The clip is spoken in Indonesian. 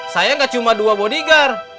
saya gak cuma dua bodyguard